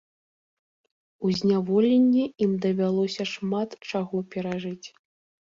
У зняволенні ім давялося шмат чаго перажыць.